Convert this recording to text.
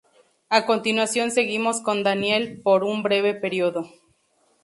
A continuación seguimos con Daniel por un breve período.